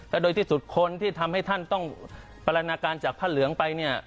และโดยที่สุดคนที่ทำให้ท่านต้องปรณาการจากผ้าเหลืองไปเนี่ย